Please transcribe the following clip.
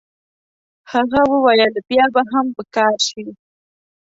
هغه وویل بیا به هم په کار شي.